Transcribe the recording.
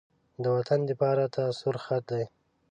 د وطن دفاع راته سور خط دی.